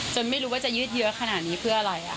ไม่รู้ว่าจะยืดเยอะขนาดนี้เพื่ออะไร